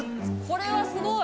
これはすごい！